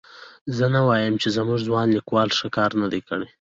زه نه وایم چې زموږ ځوان لیکوال ښه کار نه دی کړی.